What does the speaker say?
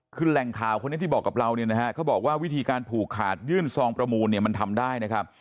คือแหล่งข่าวคนนี้ที่บอกกับเราเนี่ยนะฮะเขาบอกว่าวิธีการผูกขาดยื่นซองประมูลเนี่ยมันทำได้นะครับ